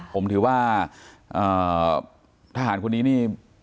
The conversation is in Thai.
ผมถือว่าทหารคนนี้นี่